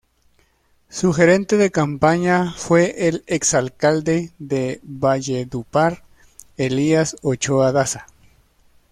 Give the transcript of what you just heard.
Su gerente de campaña fue el ex alcalde de Valledupar, Elías Ochoa Daza.